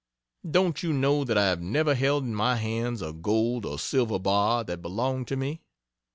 Don't you know that I have never held in my hands a gold or silver bar that belonged to me?